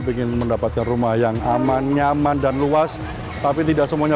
ingin mendapatkan rumah yang aman nyaman dan luas tapi tidak semuanya